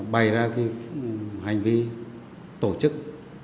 bày ra hành vi tổ chức